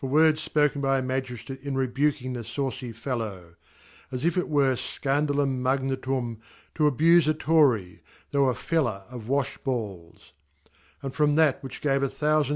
words fipoken by a Magi/Irate in rebuking the, fiawcy Fellow) as if it were Scandal ura Magnatuiii to abaft a Tory y though a filler of Wafih bjlls : And from that which gave xoco 1.